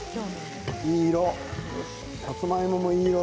いい色。